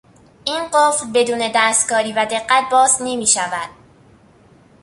این قفل بدون دستکاری و دقت باز نمیشود.